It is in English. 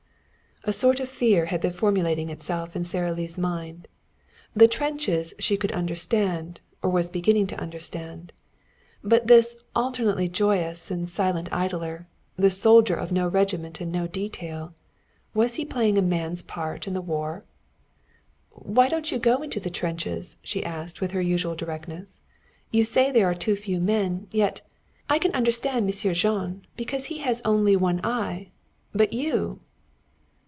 A sort of fear had been formulating itself in Sara Lee's mind. The trenches she could understand or was beginning to understand. But this alternately joyous and silent idler, this soldier of no regiment and no detail was he playing a man's part in the war? "Why don't you go into the trenches?" she asked with her usual directness. "You say there are too few men. Yet I can understand Monsieur Jean, because he has only one eye. But you!"